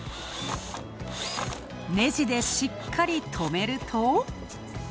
ネジで、しっかり留めると。